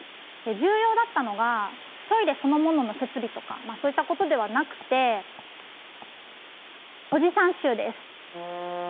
重要だったのがトイレそのものの設備とかそういったことではなくてオジサン臭です。